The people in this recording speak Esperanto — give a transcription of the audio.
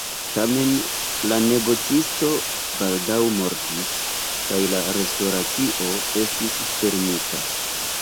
Tamen la negocisto baldaŭ mortis kaj la restoracio estis fermita.